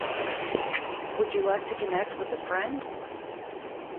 Would you like to connect with a friend?